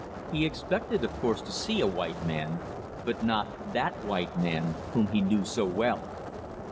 He expected, of course, to see a white man, but not that white man, whom he knew so well.